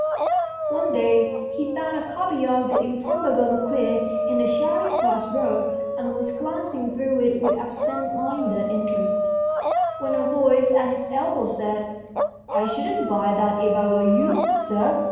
One day he found a copy of " The Impro bable Marquis " in the Charing Cross Road, and was glancing through it with absent minded interest, when a voice at his elbow said, " I shouldn't buy that if I were you, sir.